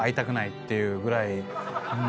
ていうぐらい。